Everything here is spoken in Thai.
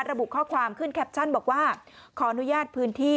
ระบุข้อความขึ้นแคปชั่นบอกว่าขออนุญาตพื้นที่